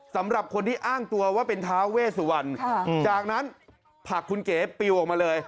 สำหรับคนที่อ้างตัวว่าเป็นท้าเวสุวรรณจากนั้นผลักคุณเก๋ปิวออกมาเลย